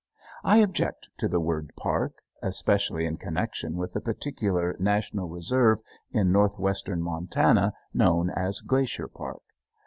I object to the word "park," especially in connection with the particular National Reserve in northwestern Montana known as Glacier Park.